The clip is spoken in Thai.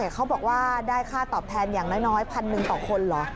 เขาบอกว่าได้ค่าตอบแทนอย่างน้อยพันหนึ่งต่อคนเหรอ